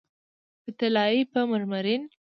په طلایې، په مرمرین